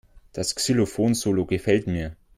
Das Xylophon-Solo gefällt mir.